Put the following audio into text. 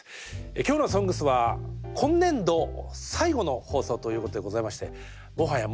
今日の「ＳＯＮＧＳ」は今年度最後の放送ということでございましてもはやもうおなじみですね